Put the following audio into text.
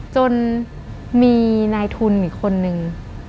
จนมีนายทุนอีกคนนึง